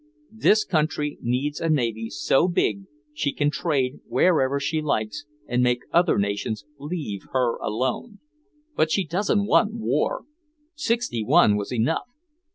This country needs a navy so big she can trade wherever she likes and make other nations leave her alone! But she doesn't want war! Sixty One was enough!